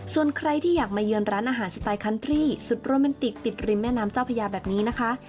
ส่วนใครที่อยากมาเยือนร้านอาหารสไตลคันพรี่สุดโรแมนติกติดริมแม่น้ำเจ้าพญาแบบนี้นะคะ